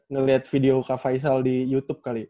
ngelihat video kak faisal di youtube kali